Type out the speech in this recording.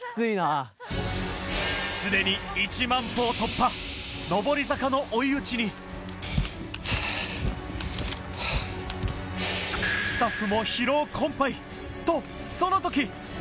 既に１万歩を突破上り坂の追い打ちにスタッフもとその時！